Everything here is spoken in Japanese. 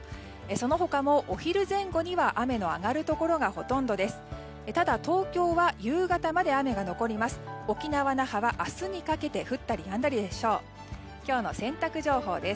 その他も、お昼前後には雨の上がるところがほとんどです。